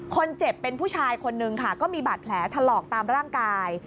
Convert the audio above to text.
คนเจ็บเป็นผู้ชายคนนึงค่ะก็มีบาดแผลถลอกตามร่างกาย